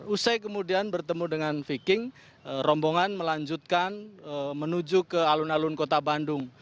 usai kemudian bertemu dengan viking rombongan melanjutkan menuju ke alun alun kota bandung